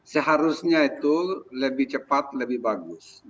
seharusnya itu lebih cepat lebih bagus